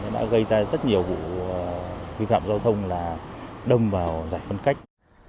đã gây ra rất nhiều vụ vi phạm giao thông là đâm vào giải phân cách